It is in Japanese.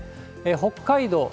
北海道